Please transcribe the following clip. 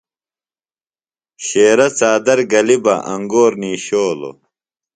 شیرہ څادر گلیۡ بہ انگور نِیشولوۡ۔